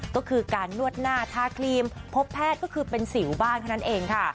ก็คือการนวดหน้าทาครีมพบแพทย์ก็คือเป็นสิวบ้างเท่านั้นเองค่ะ